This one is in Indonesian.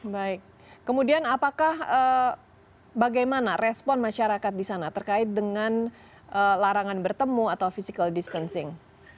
baik kemudian apakah bagaimana respon masyarakat di sana terkait dengan larangan bertemu atau physical distancing